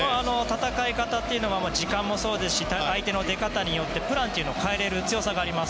戦い方というのが時間もそうですし相手の出方によってプランを変えられる強さがあります。